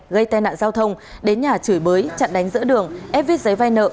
gây tai nạn giao thông đến nhà chửi bới chặn đánh giữa đường ép vít giấy vai nợ